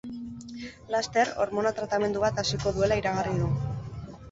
Laster, hormona tratamendu bat hasiko duela iragarri du.